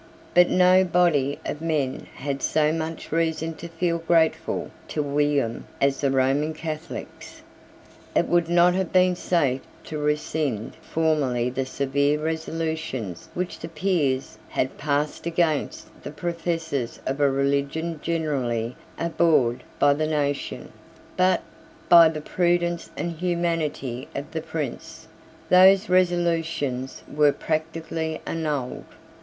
But no body of men had so much reason to feel grateful to William as the Roman Catholics. It would not have been safe to rescind formally the severe resolutions which the Peers had passed against the professors of a religion generally abhorred by the nation: but, by the prudence and humanity of the Prince, those resolutions were practically annulled.